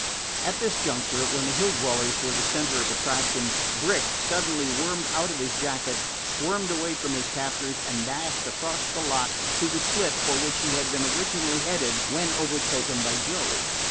At this juncture, when the Hill dwellers were the center of attraction, Brick suddenly wormed out of his jacket, squirmed away from his captors, and dashed across the lot to the slip for which he had been originally headed when overtaken by Joe.